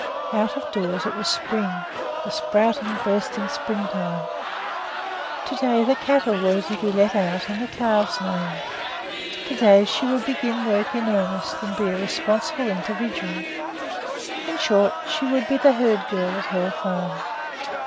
Out of doors it was spring, the sprouting, bursting springtime. To day the cattle were to be let out and the calves named. To day she would begin work in earnest and be a responsible individual. In short, she would be the herd girl at Hoel Farm.